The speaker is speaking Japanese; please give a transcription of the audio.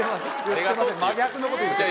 真逆のこと言ってたよ